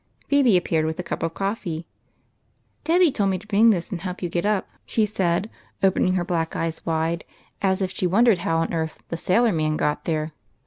Phebe appeared with a cup of coffee. " Debby told me to bring this and help you get up," she said, opening her black eyes wide, as if she won dered how on earth " the sailor man " got there.